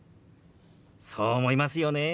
そう思いますよね。